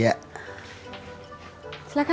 ya nggak ada